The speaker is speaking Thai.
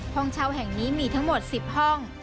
ห้องเช่าแห่งนี้มีทั้งหมด๑๐ห้อง